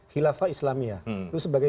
khilafah islamia itu sebagai